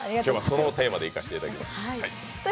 今日はそのテーマでいかせていただきます。